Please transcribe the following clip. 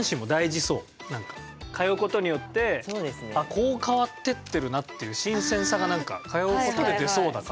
通うことによってあこう変わってってるなっていう新鮮さが通うことで出そうだから。